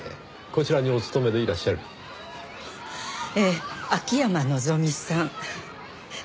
こちらにお勤めでいらっしゃる？ええ。